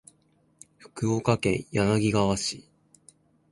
福岡県柳川市